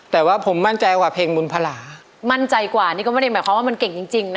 แต่ว่าผมมั่นใจกว่าเพลงบุญพลามั่นใจกว่านี่ก็ไม่ได้หมายความว่ามันเก่งจริงจริงนะ